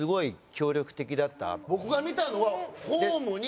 僕が見たのはホームに。